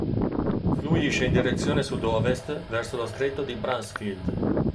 Fluisce in direzione sudest verso lo Stretto di Bransfield.